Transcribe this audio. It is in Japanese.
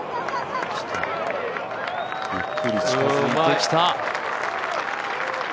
ゆっくり近づいてきた！